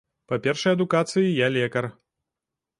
Па першай адукацыі я лекар.